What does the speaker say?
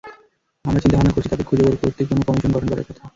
আমরা চিন্তাভাবনা করছি তাঁদের খুঁজে বের করতে কোনো কমিশন গঠন করার কথা।